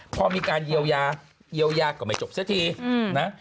พอมีการเยียวยาเยียวยาก็ไม่จบซะทีนะ